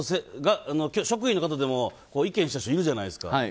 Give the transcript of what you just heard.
職員の方でも意見した人いるじゃないですか。